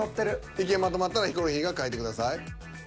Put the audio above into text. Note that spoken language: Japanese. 意見まとまったらヒコロヒーが書いてください。